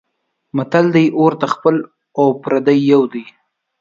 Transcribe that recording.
متل دی: اور ته خپل او پردی یو دی.